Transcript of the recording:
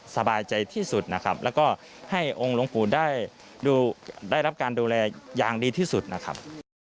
สบายใจที่สุดนะครับแล้วก็ให้องค์หลวงปู่ได้รับการดูแลอย่างดีที่สุดนะครับ